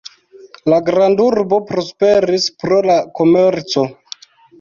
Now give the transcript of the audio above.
La grandurbo prosperis pro la komerco.